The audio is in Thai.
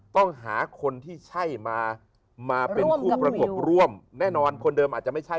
ต้องหาคนที่ใช่มามาเป็นผู้ประกบร่วมแน่นอนคนเดิมอาจจะไม่ใช่